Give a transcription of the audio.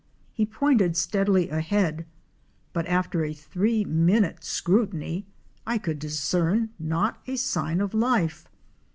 He pointed steadily ahead, but after a three minute scrutiny [ could discern not a sign of life.